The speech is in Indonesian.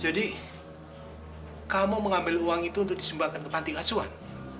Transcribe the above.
jadi kamu mengambil uang itu untuk disumbangkan ke panti asuhan